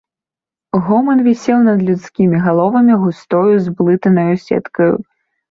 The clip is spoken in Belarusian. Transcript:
Гоман вісеў над людскімі галовамі густою, зблытанаю сеткаю.